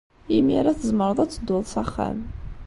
Imir-a tzemreḍ ad tedduḍ s axxam.